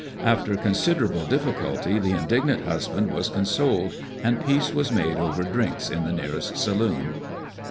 After considerable diffi culty the indignant husband was consoled, and peace was made over " drinks" in the nearest " saloon."